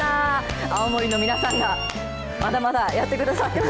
青森の皆さんが、まだまだやってくださってます。